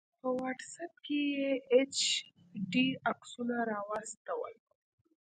په واټس آپ کې یې ایچ ډي عکسونه راواستول